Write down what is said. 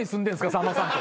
さんまさんって。